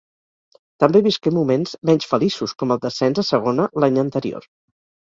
També visqué moments menys feliços com el descens a Segona l'any anterior.